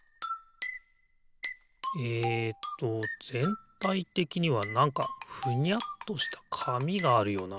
えっとぜんたいてきにはなんかふにゃっとしたかみがあるよな。